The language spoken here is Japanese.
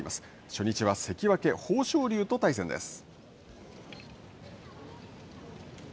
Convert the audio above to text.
初日は関脇・豊昇龍と対戦です。